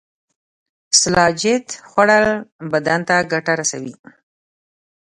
سلاجید خوړل بدن ته ګټه رسوي